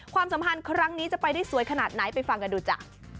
ความสัมพันธ์ครั้งนี้จะไปได้สวยขนาดไหนไปฟังกันดูจ้ะ